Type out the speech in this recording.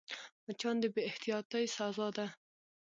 مچان د بې احتیاطۍ سزا ده